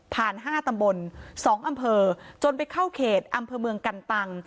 ๕ตำบล๒อำเภอจนไปเข้าเขตอำเภอเมืองกันตัง